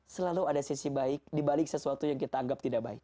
selalu ada sisi baik dibalik sesuatu yang kita anggap tidak baik